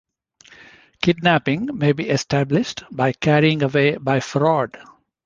Kidnapping may be established by carrying away by fraud.